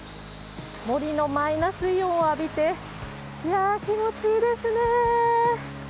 森のマイナスイオンを浴びて、いやー、気持ちいいですね。